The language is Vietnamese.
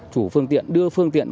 chủ phương tiện đưa phương tiện